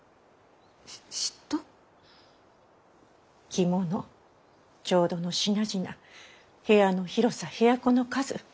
着物調度の品々部屋の広さ部屋子の数。